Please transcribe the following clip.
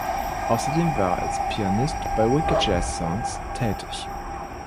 Außerdem war er als Pianist bei "Wicked Jazz Sounds" tätig.